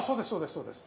そうです